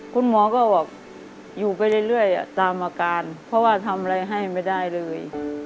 คุณหมอก็บอกอยู่ไปเรื่อยตามอาการเพราะว่าทำอะไรให้ไม่ได้เลย